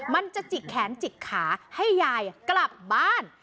มันจะจิกแขนจิกขาให้ยายกลับบ้าน